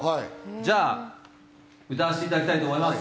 じゃあ、歌わせていただきたいと思います。